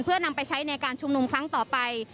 เพื่อนำไปใช้ในการชุมนุมครั้งต่อไป